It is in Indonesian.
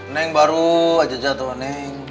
neng baru aja jatuh neng